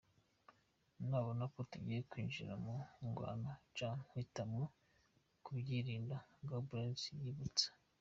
"Nabona ko tugiye kwinjira mu ngwano nca mpitamwo kuvyirinda,"Gorbachev yibutsa.